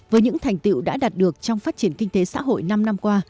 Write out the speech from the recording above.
với những thành tiệu đã đạt được trong phát triển kinh tế xã hội năm năm qua